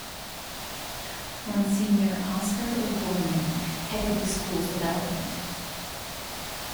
Monsignor Oscar O'Gorman headed the school's development.